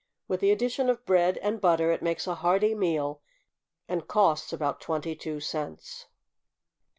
With the addition of bread and butter it makes a hearty meal, and costs about twenty two cents.